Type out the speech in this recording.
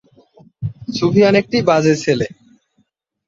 গাছের ডালে এরা সাধারণত বসে না।